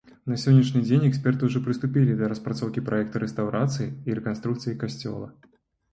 На сённяшні дзень эксперты ўжо прыступілі да распрацоўкі праекта рэстаўрацыі і рэканструкцыі касцёла.